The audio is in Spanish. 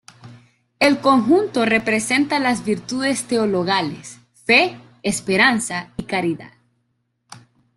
El conjunto representa las virtudes teologales: fe, esperanza y caridad.